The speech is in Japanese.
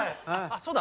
そうだ！